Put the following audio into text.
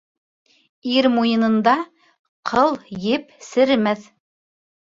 Ир муйынында ҡыл-еп серемәҫ.